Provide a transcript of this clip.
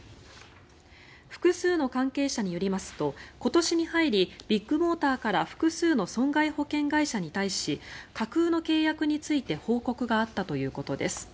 複数の関係者によりますと今年に入りビッグモーターから複数の損害保険会社に対し架空の契約について報告があったということです。